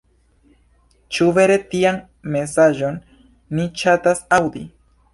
Ĉu vere tian mesaĝon ni ŝatas aŭdi?